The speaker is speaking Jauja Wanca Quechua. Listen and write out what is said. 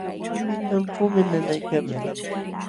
Ankuumi nanaykaman.